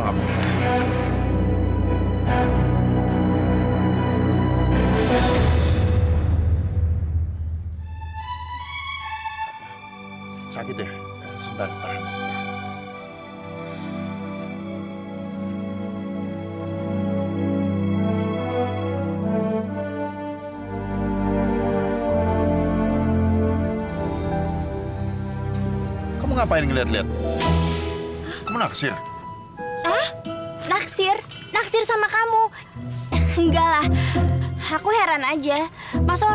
sampai jumpa di video selanjutnya